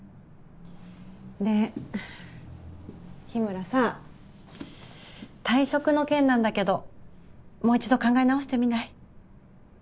で日村さ退職の件なんだけどもう一度考え直してみない？